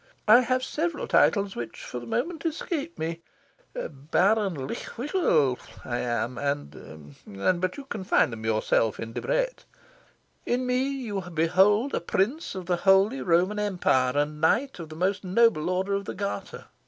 I have several titles which for the moment escape me. Baron Llffthwchl am I, and... and... but you can find them for yourself in Debrett. In me you behold a Prince of the Holy Roman Empire, and a Knight of the Most Noble Order of the Garter.